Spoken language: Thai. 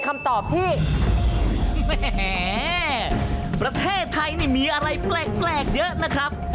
แม่ไทยมีอะไรแปลกเยอะนะครับ